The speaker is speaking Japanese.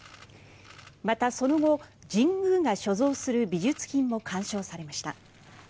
また、その後、神宮が所蔵する美術品を鑑賞されました。